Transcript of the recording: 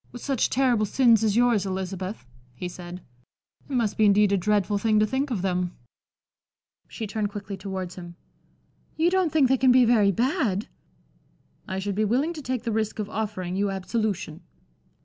"With such terrible sins as yours, Elizabeth," he said, "it must be indeed a dreadful thing to think of them." She turned quickly towards him. "You don't think that they can be very bad?" "I should be willing to take the risk of offering you absolution."